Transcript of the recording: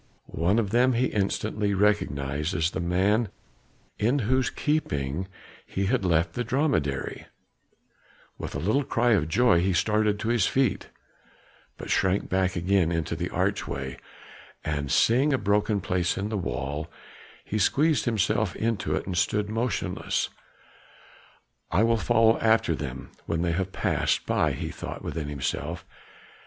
One of them he instantly recognized as the man in whose keeping he had left the dromedary; with a little cry of joy he started to his feet, but shrank back again into the archway, and seeing a broken place in the wall, he squeezed himself into it and stood motionless. "I will follow after them when they have passed by," he thought within himself.